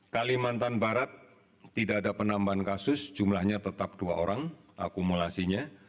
kalimantan barat tidak ada penambahan kasus jumlahnya tetap dua orang akumulasinya